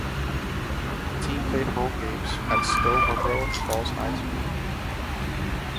The team played home games at Stow-Munroe Falls High School.